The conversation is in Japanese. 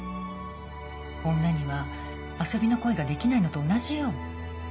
女には遊びの恋ができないのと同じよ。